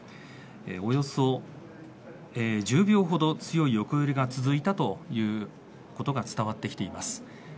およそ１０秒ほど強い横揺れが続いたということが伝わってきています。